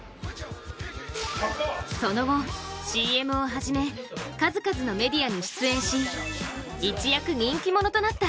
その後、ＣＭをはじめ、数々のメディアに出演し一躍人気者となった。